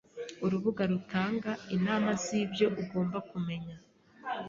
Urubuga rutanga inama z’ibyo ugomba kumenya